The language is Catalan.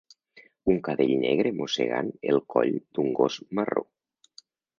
Un cadell negre mossegant el coll d'un gos marró